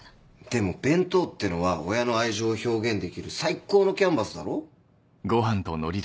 でも弁当ってのは親の愛情を表現できる最高のキャンバスだろ？